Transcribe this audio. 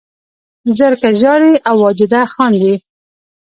زرکه ژاړي او واجده خاندي